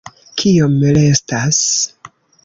Kiom restas?